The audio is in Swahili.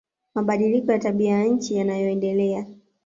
Mabadiliko ya tabia ya nchi yanayoendelea